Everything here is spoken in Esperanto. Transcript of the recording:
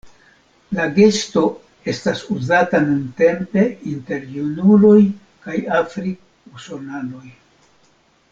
La gesto estas uzata nuntempe inter junuloj kaj afrik-usonanoj.